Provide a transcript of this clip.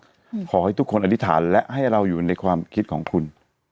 ขอให้ทุกคนอธิษฐานและให้เราอยู่ในความคิดของคุณ